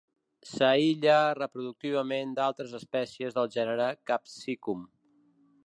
S'aïlla reproductivament d'altres espècies del gènere "Capsicum".